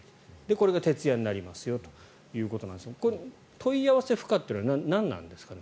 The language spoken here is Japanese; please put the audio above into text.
これが徹夜になりますよということなんですが問い合わせ不可というのは何なんですかね。